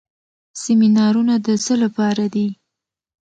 سیمینارونه د څه لپاره دي؟